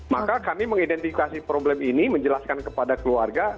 maka kami mengidentifikasi problem ini menjelaskan kepada keluarga